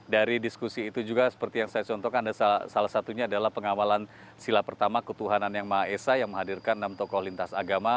dari diskusi itu juga seperti yang saya contohkan salah satunya adalah pengawalan sila pertama ketuhanan yang maha esa yang menghadirkan enam tokoh lintas agama